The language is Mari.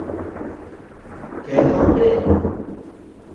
Кӧ конден?